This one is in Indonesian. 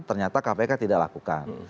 ternyata kpk tidak lakukan